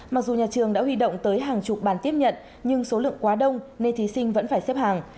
mặc dù nhà trường đã huy động tới hàng chục bàn tiếp nhận nhưng số lượng quá đông nên thí sinh vẫn phải xếp hàng